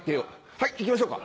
はいいきましょうか。